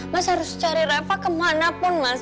mas harus cari rafa kemanapun mas